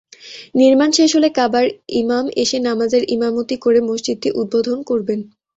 নির্মাণ শেষ হলে কাবার ইমাম এসে নামাযের ইমামতি করে মসজিদটি উদ্বোধন করবেন।